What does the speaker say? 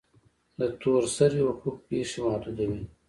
د تور سوري افق پیښې محدوده وي.